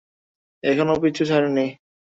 এখনো পিছু ছাড়েনি।